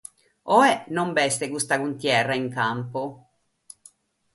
Oe non b'est custa cuntierra in campu.